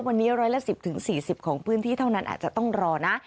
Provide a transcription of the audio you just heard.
วันนี้ร้อยละ๑๐๔๐ของพื้นที่เท่านั้นอาจจะต้องรอนะ